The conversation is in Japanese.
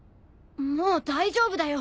もう大丈夫だよ